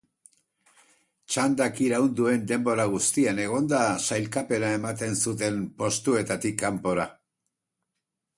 Txandak iraun duen denbora guztian egon da sailkapena ematen zuten postuetatik kanpora.